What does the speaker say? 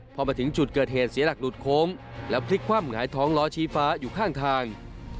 พอมาถึงจุดเกิดเหตุเสียหลักหลุดโค้งแล้วพลิกคว่ำหงายท้องล้อชี้ฟ้าอยู่ข้างทาง